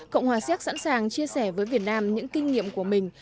cộng hòa xéc sẵn sàng chia sẻ với việt nam những kinh nghiệm của mình